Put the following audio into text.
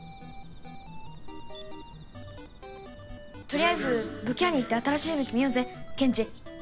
取りあえず武器屋に行って新しい武器見ようぜケンチ。